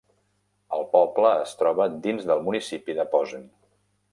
El poble es troba dins del municipi de posen.